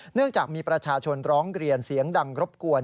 เนื่องจากมีประชาชนร้องเรียนเสียงดังรบกวน